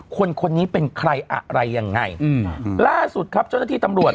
คนนี้เป็นใครอะไรยังไงอืมล่าสุดครับเจ้าหน้าที่ตำรวจ